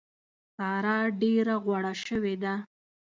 سارا ډېره غوړه شوې ده.